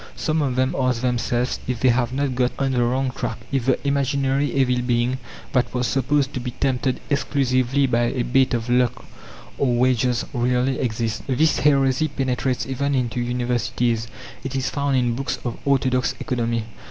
Some of them ask themselves if they have not got on the wrong track: if the imaginary evil being, that was supposed to be tempted exclusively by a bait of lucre or wages, really exists. This heresy penetrates even into universities; it is found in books of orthodox economy.